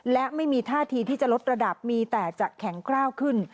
และไม่มีท่าทีที่จะลดระดับมีแต่จะแข็งกล้าวขึ้น